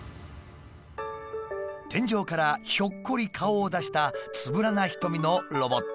天井からひょっこり顔を出したつぶらな瞳のロボット。